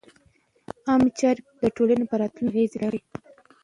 عامه چارې د ټولنې پر راتلونکي اغېز لري.